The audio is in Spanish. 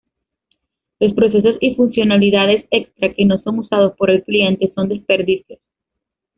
Los procesos y funcionalidades extra que no son usados por el cliente son desperdicios.